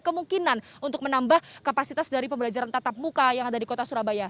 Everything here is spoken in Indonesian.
kemungkinan untuk menambah kapasitas dari pembelajaran tatap muka yang ada di kota surabaya